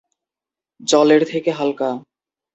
জলের থেকে হালকা।